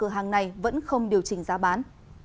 hàng này vẫn không điều chỉnh giá bán